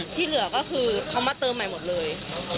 ที่เหลือก็คือเขามาเติมใหม่หมดเลย